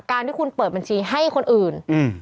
ที่คุณเปิดบัญชีให้คนอื่น